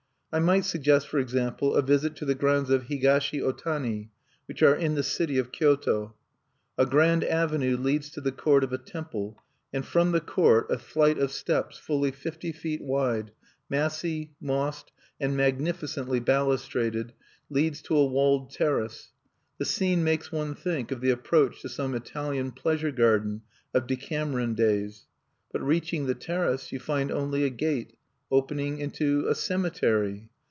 I might suggest, for example, a visit to the grounds of Higashi Otani, which are in the city of Kyoto. A grand avenue leads to the court of a temple, and from the court a flight of steps fully fifty feet wide massy, mossed, and magnificently balustraded leads to a walled terrace. The scene makes one think of the approach to some Italian pleasure garden of Decameron days. But, reaching the terrace, you find only a gate, opening into a cemetery!